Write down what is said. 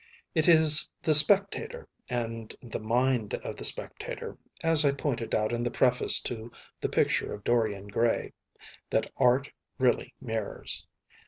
It is the spectator, and the mind of the spectator, as I pointed out in the preface to The Picture of Dorian Gray, that art really mirrors.